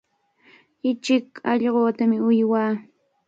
Ichik allqutami uywaa.